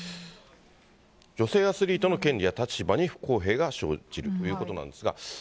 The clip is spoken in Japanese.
女性アスリートの権利や立場に不公平が生じるということなんですが。